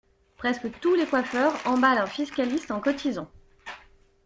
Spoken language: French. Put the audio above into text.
Presque tous les coiffeurs emballent un fiscaliste en cotisant.